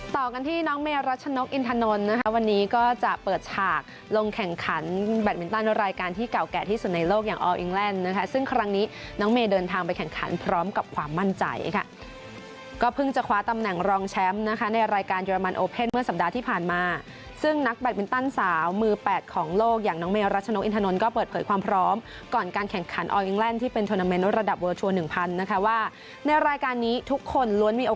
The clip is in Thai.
ต่อกันที่น้องเมย์รัชนกอินทานนท์นะครับวันนี้ก็จะเปิดฉากลงแข่งขันแบตมินตันรายการที่เก่าแก่ที่สุดในโลกอย่างออลอิงแลนด์นะคะซึ่งครั้งนี้น้องเมย์เดินทางไปแข่งขันพร้อมกับความมั่นใจค่ะก็เพิ่งจะคว้าตำแหน่งรองแชมป์นะคะในรายการเยอรมันโอเพ่นเมื่อสัปดาห์ที่ผ่านมาซึ่งนักแบตมินตัน